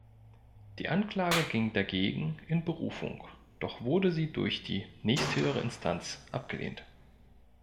Die Anklage ging dagegen in Berufung, doch wurde sie durch die nächsthöhere Instanz abgelehnt.